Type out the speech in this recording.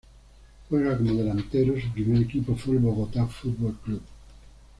Juega como delantero, su primer equipo fue el Bogotá Fútbol Club.